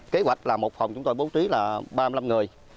kế hoạch là một phòng chúng tôi bố trí là ba mươi năm người